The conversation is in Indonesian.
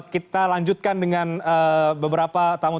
kita lanjutkan dengan beberapa tamu